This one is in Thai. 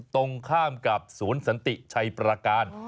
ตรงข้ามสูญสันติชัยปราการ